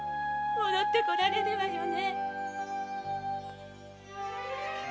戻って来られるわよね。